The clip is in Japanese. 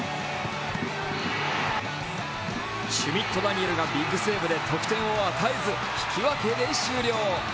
シュミット・ダニエルがビッグセーブで得点を与えず引き分けで終了。